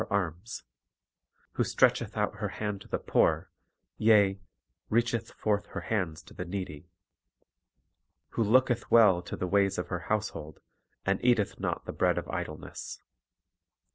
her arms;" who "stretcheth out her hand to the poor; yea, ... reacheth forth her hands to the needy;" who "looketh well to the ways of her household, and eateth not the bread of idleness."